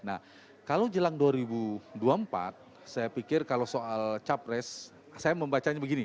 nah kalau jelang dua ribu dua puluh empat saya pikir kalau soal capres saya membacanya begini